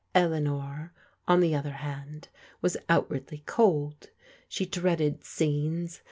Eleanor, on the other hand, was outwardly cold. She dreaded scenes.